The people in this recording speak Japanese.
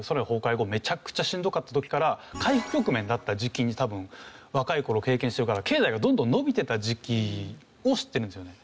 めちゃくちゃしんどかった時から回復局面だった時期に多分若い頃を経験してるから経済がどんどん伸びてた時期を知ってるんですよね。